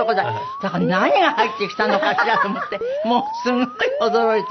だから何が入ってきたのかしらと思ってもうすごい驚いた。